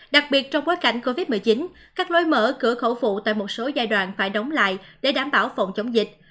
đặc biệt trong bối cảnh covid một mươi chín các lối mở cửa khẩu phụ tại một số giai đoạn phải đóng lại để đảm bảo phòng chống dịch